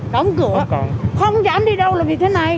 đóng cửa không dám đi đâu là vì thế này